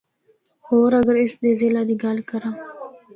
ہور اگر اس دے ضلع دی گل کراں۔